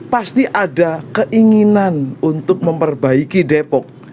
pasti ada keinginan untuk memperbaiki depok